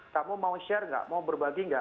kamu mau share atau berbagi